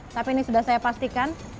tapi ini sudah saya pastikan